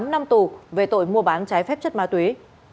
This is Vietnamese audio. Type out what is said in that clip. tám năm tù về tội mua bán trái phép chất ma túy